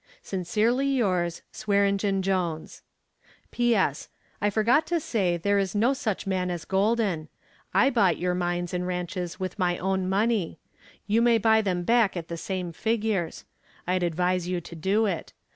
"Sincerely yours, "SWEARENGEN JONES. "P.S. I forgot to say there is no such man as Golden. I bought your mines and ranches with my own money. You may buy them back at the same figures. I'd advise you to do it.